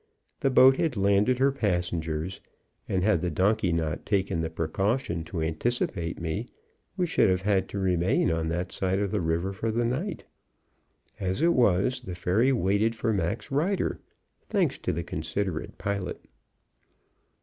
The boat had landed her passengers; and had the donkey not taken the precaution to anticipate me, we should have had to remain on that side of the river for the night. As it was, the ferry waited for Mac's rider thanks to the considerate pilot.